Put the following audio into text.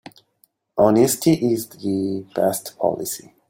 Honesty is the best policy.